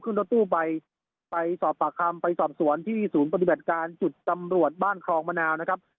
รถตู้ไปไปสอบปากคำไปสอบสวนที่ศูนย์ปฏิบัติการจุดตำรวจบ้านครองมะนาวนะครับ